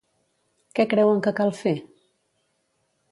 Què creuen que cal fer?